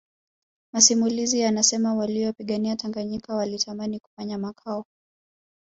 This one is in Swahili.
Masimulizi yanasema walipoingia Tanganyika walitamani kufanya makao